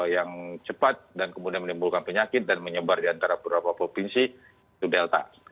yang cepat dan kemudian menimbulkan penyakit dan menyebar di antara beberapa provinsi itu delta